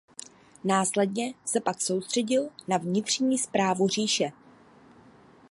Následně se pak soustředil na vnitřní správu říše.